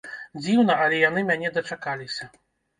Дзіўна, але яны мяне дачакаліся.